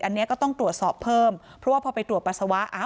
อันนี้ก็ต้องตรวจสอบเพิ่มเพราะว่าพอไปตรวจปัสสาวะ